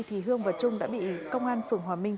thì hương và trung đã bị công an phường hòa minh